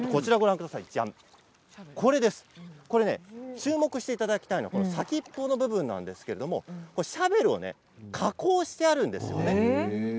注目していただきたいのは先っぽの部分なんですけれどシャベルを加工してあるんですよね。